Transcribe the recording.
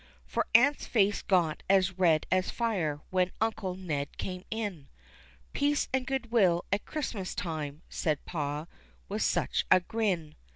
For Aunt's face got as red as fire when Uncle Ned came in, "Peace and goodwill at Xmas time," said pa, with such a grin.